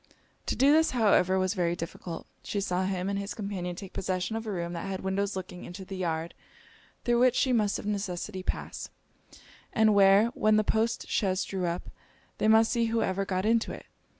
To do this, however, was very difficult. She saw him and his companion take possession of a room that had windows looking into the yard through which she must of necessity pass, and where, when the post chaise drew up, they must see whoever got into it.